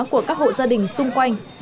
của các hộ gia đình xung quanh